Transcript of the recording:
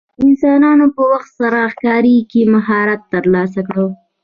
انسانانو په وخت سره ښکار کې مهارت ترلاسه کړ.